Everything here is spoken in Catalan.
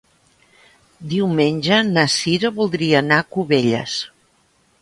Diumenge na Cira voldria anar a Cubelles.